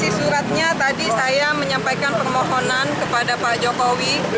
isi suratnya tadi saya menyampaikan permohonan kepada pak jokowi